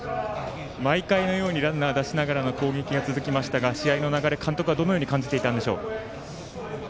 毎回のようにランナー出しながらの攻撃が続きましたが試合の流れ、監督はどのように感じていたんでしょう。